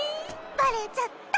バレちゃった！